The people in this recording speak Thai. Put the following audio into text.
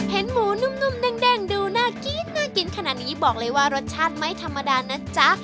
เห็นหมูนุ่มเด้งดูน่ากินน่ากินขนาดนี้บอกเลยว่ารสชาติไม่ธรรมดานะจ๊ะ